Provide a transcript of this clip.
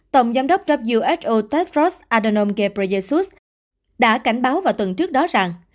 tổng giám đốc who tedros adhanom ghebreyesus đã cảnh báo vào tuần trước đó rằng